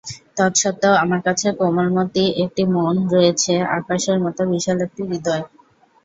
তৎসত্ত্বেও আমার আছে কোমলমতি একটি মন, রয়েছে আকাশের মতো বিশাল একটি হৃদয়।